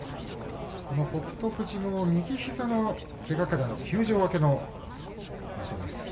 富士も右膝のけがから休場明けの今場所です。